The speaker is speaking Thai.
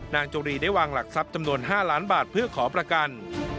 นางจุรีได้วางหลักทรัพย์จำนวน๕ล้านบาทเพื่อขอประกัน